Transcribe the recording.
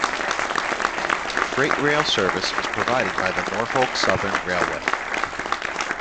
Freight rail service is provided by the Norfolk Southern Railway.